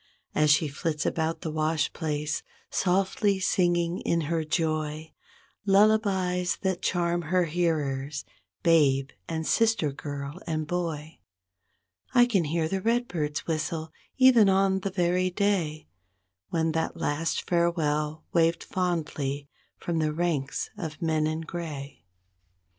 As she flits about the wash place, softly singing in her joy Lullabies that charm her hearers, babe and sister girl and boy. I can hear a redbird's whistle, even on the very day When that last farewell waved fondly from the ranks of men in gray.